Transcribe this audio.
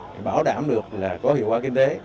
thì bảo đảm được là có hiệu quả kinh tế